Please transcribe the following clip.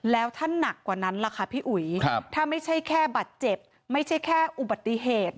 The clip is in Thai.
แล้วถ้าหนักกว่านั้นล่ะค่ะพี่อุ๋ยถ้าไม่ใช่แค่บาดเจ็บไม่ใช่แค่อุบัติเหตุ